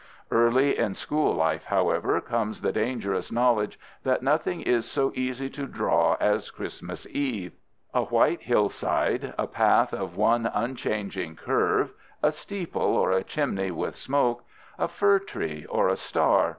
Early in school life, however, comes the dangerous knowledge that nothing is so easy to draw as Christmas Eve: a white hillside, a path of one unchanging curve, a steeple or a chimney with smoke, a fir tree or a star.